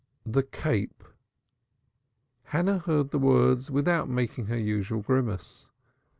"The Cape!" Hannah heard the words without making her usual grimace.